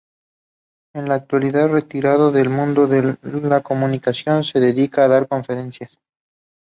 En la actualidad, retirado del mundo de la comunicación, se dedica a dar conferencias.